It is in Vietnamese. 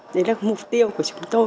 đấy là mục tiêu của chúng tôi